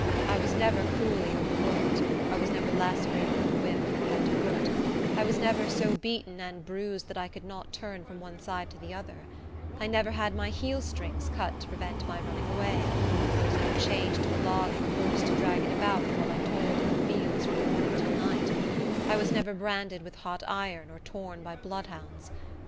I was never cruelly overworked; I was never lacerated with the whip from head to foot; I was never so beaten and bruised that I could not turn from one side to the other; I never had my heel strings cut to prevent my running away; I was never chained to a log and forced to drag it about, while I toiled in the fields from morning till night; I was never branded with hot iron, or torn by bloodhounds.